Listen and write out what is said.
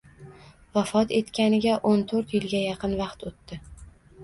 Vafot etganiga o'n to'rt yilga yaqin vaqt o'tdi.